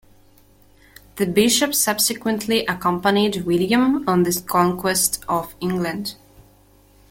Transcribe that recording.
The bishop subsequently accompanied William on the conquest of England.